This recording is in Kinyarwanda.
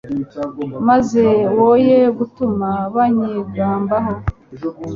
maze woye gutuma banyigambaho